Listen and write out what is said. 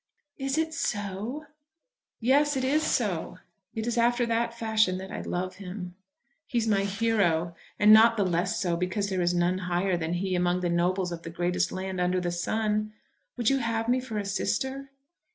"Is it so?" "Yes, it is so. It is after that fashion that I love him. He is my hero; and not the less so because there is none higher than he among the nobles of the greatest land under the sun. Would you have me for a sister?"